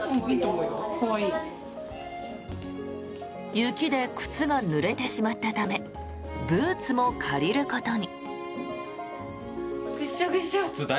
雪で靴がぬれてしまったためブーツも借りることに。